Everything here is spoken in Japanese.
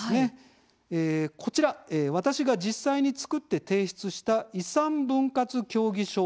こちら私が実際に作って提出した遺産分割協議書です。